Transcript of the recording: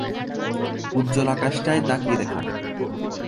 উজ্জ্বল আকাশটায় তাকিয়ে দেখো।